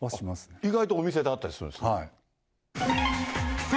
意外とお店で会ったりするんですか？